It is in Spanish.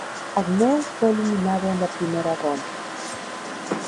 Agnew fue eliminado en la primera ronda.